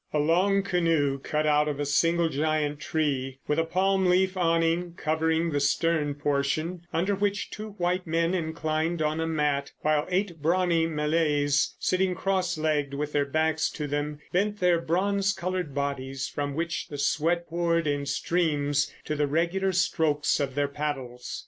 A long canoe cut out of a single giant tree, with a palm leaf awning covering the stern portion, under which two white men inclined on a mat, while eight brawny Malays, sitting crossed legged with their backs to them, bent their bronze coloured bodies from which the sweat poured in streams to the regular strokes of their paddles.